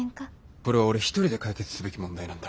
これは俺一人で解決すべき問題なんだ。